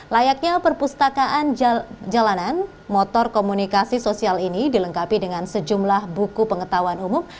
layaknya perpustakaan jalanan motor komunikasi sosial ini dilengkapi dengan sejumlah buku pengetahuan umum